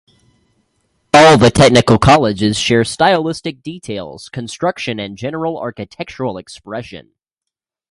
All the technical colleges share stylistic details, construction and general architectural expression.